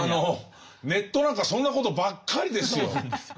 ネットなんかそんなことばっかりですよ。